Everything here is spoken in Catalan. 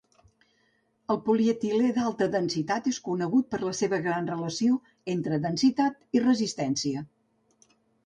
El polietilè d'alta densitat és conegut per la seva gran relació entre densitat i resistència.